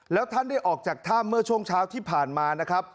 แล้วท่านได้ออกจากถ้ำเมื่อช่วงเช้าที่ผ่านมานะครับ